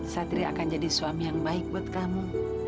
satria akan jadi suami yang baik buat kamu